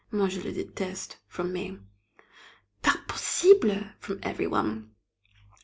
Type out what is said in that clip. "Moi, je le déteste," from me. "Pas possible!" from every one.